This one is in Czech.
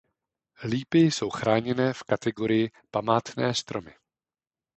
Lípy jsou chráněné v kategorii Památné stromy.